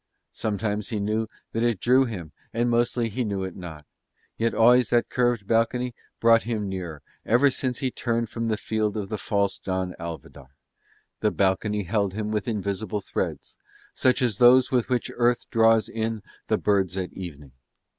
Sometimes he knew that it drew him and mostly he knew it not; yet always that curved balcony brought him nearer, ever since he turned from the field of the false Don Alvidar: the balcony held him with invisible threads, such as those with which Earth draws in the birds at evening.